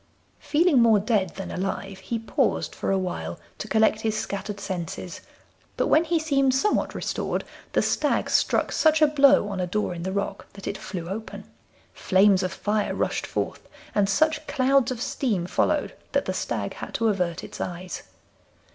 Feeling more dead than alive, he paused for a while to collect his scattered senses, but when he seemed somewhat restored the stag struck such a blow on a door in the rock that it flew open. Flames of fire rushed forth, and such clouds of steam followed that the stag had to avert its eyes.